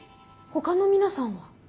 他の皆さんは？